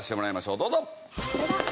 どうぞ。